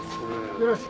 よろしく。